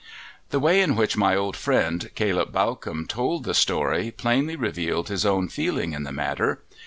The way in which my old friend, Caleb Bawcombe, told the story plainly revealed his own feeling in the matter.